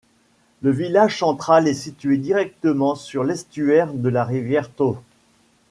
Le village central est situé directement sur l'estuaire de la rivière Touw.